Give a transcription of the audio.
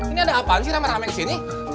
ini ada apaan sih ramai ramai di sini